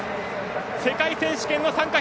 世界選手権の参加